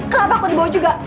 kenapa aku dibawa juga